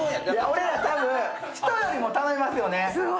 俺ら、多分人よりも頼むよね。